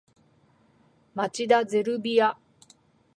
町田ゼルビア